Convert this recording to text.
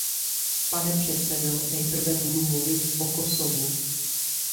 Pane předsedo, nejprve budu mluvit o Kosovu.